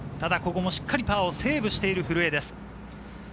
しっかりパーをセーブしている古江です。